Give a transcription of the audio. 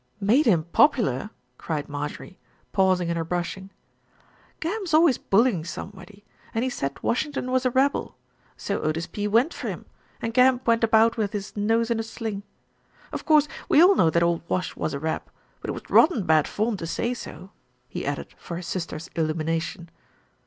"Made him popular!" cried Marjorie, pausing in her brushing. "Gamb's always bullying somebody, and he said Washington was a rebel. So Otis P. went for him, and Gamb went about with his nose in a sling. Of course, we all know that old Wash was a reb; but it was rotten bad form to say so," he added for his sister's illumina tion.